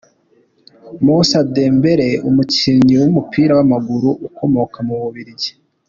Mousa Dembélé, umukinnyi w’umupira w’amaguru ukomoka mu Bubiligi.